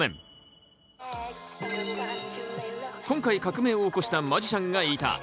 今回革命を起こしたマジシャンがいた。